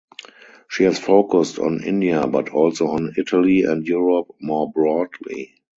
She has focused on India but also on Italy and Europe more broadly.